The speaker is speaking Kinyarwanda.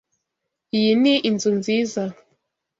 Iyi ni inzu nziza.